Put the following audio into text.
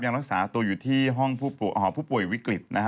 รักษาตัวอยู่ที่ห้องผู้ป่วยวิกฤตนะฮะ